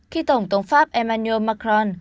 khi tổng thống pháp emmanuel macron